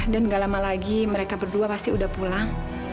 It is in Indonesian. dan nggak lama lagi mereka berdua pasti udah pulang